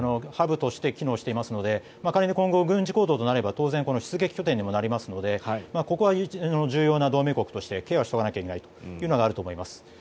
ハブとして機能していますので仮に今後、軍事行動となれば当然、出撃拠点にもなりますのでここは重要な同盟国としてケアしておかなくてはというところがあると思います。